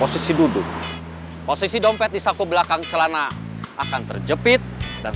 time out ya